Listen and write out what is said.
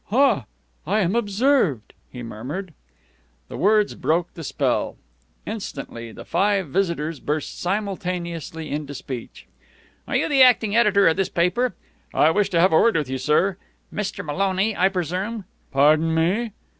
"Ha! I am observed!" he murmured. The words broke the spell. Instantly the five visitors burst simultaneously into speech. "Are you the acting editor of this paper?" "I wish to have a word with you, sir." "Mr. Maloney, I presume?" "Pardon me!"